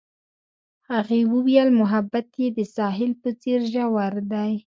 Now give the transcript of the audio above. هغې وویل محبت یې د ساحل په څېر ژور دی.